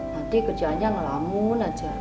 nanti kerjaannya ngelamun aja